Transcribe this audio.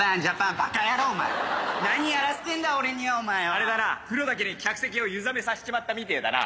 あれだな風呂だけに客席を湯冷めさせちまったみてぇだな。